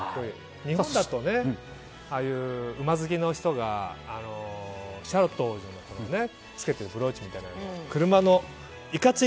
日本だとああいう馬好きの人がシャーロット王女の着けているブローチみたいなやつ。